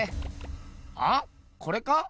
あっこれか？